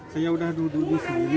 saya udah duduk di sini